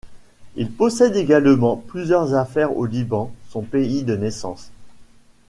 Il possède également plusieurs affaires au Liban, son pays de naissance.